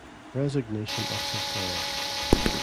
"Resignation of Sinclair"